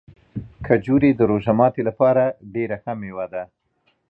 کجورې د روژه ماتي لپاره ډېره ښه مېوه ده.